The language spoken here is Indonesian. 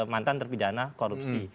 mantan terpidana korupsi